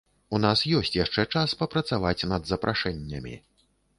У нас ёсць яшчэ час папрацаваць над запрашэннямі.